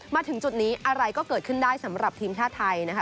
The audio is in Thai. มาถึงจุดนี้อะไรก็เกิดขึ้นได้สำหรับทีมชาติไทยนะคะ